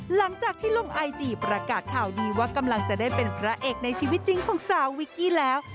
หลังจากที่ลงไอจีประกาศข่าวดีว่ากำลังจะได้เป็นพระเอกในชีวิตจริงของสาววิกกี้แล้ว